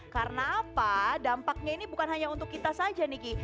karena apa dampaknya ini bukan hanya untuk kita saja nih ki